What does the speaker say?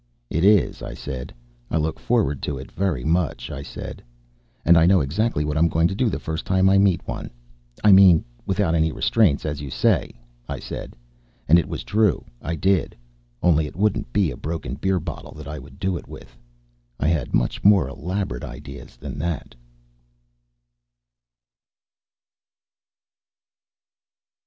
"It is," I said. "I look forward to it very much," I said. "And I know exactly what I'm going to do the first time I meet one I mean without any restraints, as you say," I said. And it was true; I did. Only it wouldn't be a broken beer bottle that I would do it with. I had much more elaborate ideas than that.